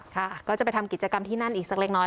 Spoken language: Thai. ค่ะก็จะไปทำกิจกรรมที่นั่นอีกสักเล็กน้อย